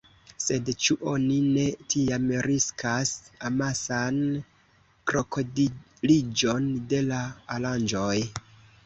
Sed ĉu oni ne tiam riskas amasan krokodiliĝon de la aranĝoj?